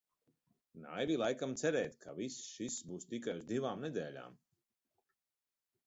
Naivi laikam cerēt, ka viss šis būs tikai uz divām nedēļām...